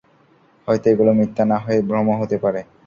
হয়তো এগুলো মিথ্যা না হয়ে ভ্রমও হতে পারে!